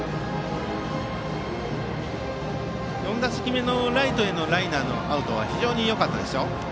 ４打席目のライトへのライナーのアウトは非常によかったですよ。